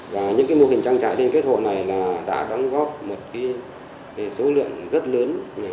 và những mô hình trang trại liên kết hộ này đã đóng góp một số lượng rất lớn